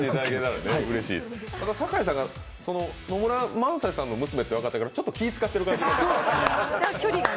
酒井さんが、野村萬斎さんの娘って分かってからちょっと気を使ってる感じが。